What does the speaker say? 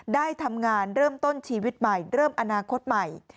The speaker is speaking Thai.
ได้ทำงานเริ่มต้นชีวิตใหม่เริ่มอนาคตใหม่